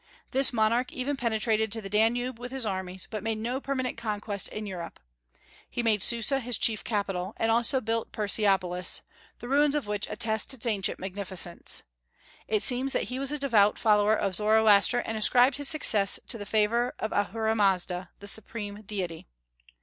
This monarch even penetrated to the Danube with his armies, but made no permanent conquest in Europe. He made Susa his chief capital, and also built Persepolis, the ruins of which attest its ancient magnificence. It seems that he was a devout follower of Zoroaster, and ascribed his successes to the favor of Ahura Mazda, the Supreme Deity.